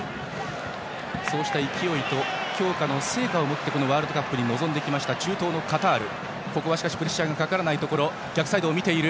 そうした勢いと強化の成果を持ってこのワールドカップに臨んできました、中東のカタール。